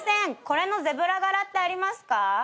これのゼブラ柄ってありますか？